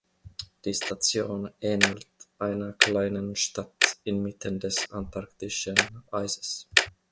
Die Station ähnelt einer kleinen Stadt inmitten des antarktischen Eises.